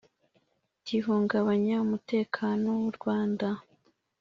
gihungabanya umutekano w'u rwanda.